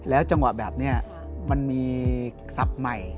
จังหวะแบบนี้มันมีทรัพย์ใหม่